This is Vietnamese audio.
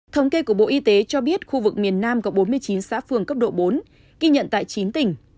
thống kê của bộ y tế cho biết khu vực miền nam có bốn mươi chín xã phường cấp độ bốn ghi nhận tại chín tỉnh